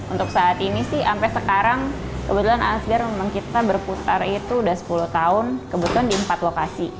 untuk saat ini sih sampai sekarang kebetulan asgar memang kita berputar itu udah sepuluh tahun kebetulan di empat lokasi